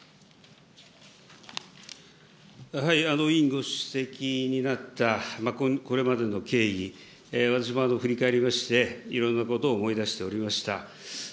委員ご指摘になったこれまでの経緯、私も振り返りまして、いろんなことを思い出しておりました。